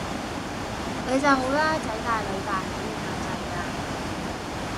你就好啦！囝大囡大可以嘆世界